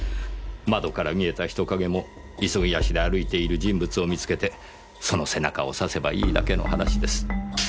窓から見えた人影も急ぎ足で歩いている人物を見つけてその背中を指せばいいだけの話です。